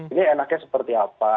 ini enaknya seperti apa